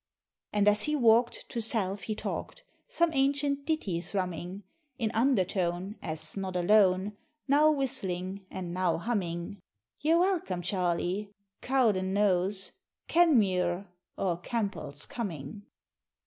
And as he walked to self he talked, Some ancient ditty thrumming, In undertone, as not alone Now whistling, and now humming "You're welcome, Charlie," "Cowdenknowes," "Kenmure," or "Campbells' Coming."